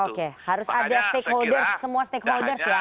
oke harus ada stakeholder semua stakeholders ya